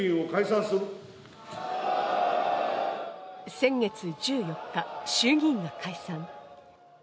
先月１４日、衆議院が解散。